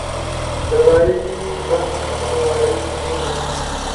چلائی/ بند، وائی، این